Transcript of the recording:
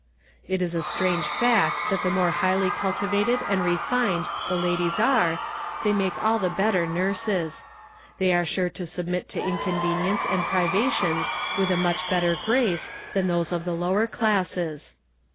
It is a strange fact that the more highly cultivated and refined the ladies are, they make all the better nurses. They are sure to submit to inconvenience and privations with a much better grace than those of the lower classes.